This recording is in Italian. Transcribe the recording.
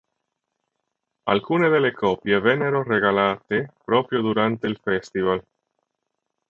Alcune delle copie vennero regalate proprio durante il festival.